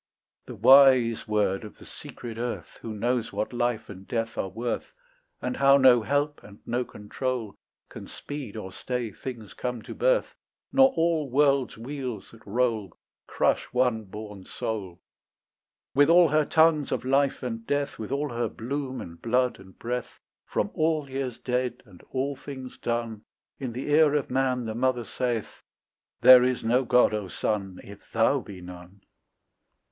The wise word of the secret earth Who knows what life and death are worth, And how no help and no control Can speed or stay things come to birth, Nor all worlds' wheels that roll Crush one born soul. With all her tongues of life and death, With all her bloom and blood and breath, From all years dead and all things done, In the ear of man the mother saith, "There is no God, O son, If thou be none."